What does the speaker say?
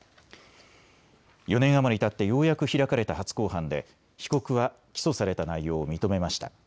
４年余りたってようやく開かれた初公判で被告は起訴された内容を認めました。